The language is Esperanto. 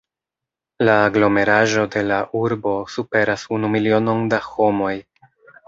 La aglomeraĵo de la urbo superas unu milionon da homoj.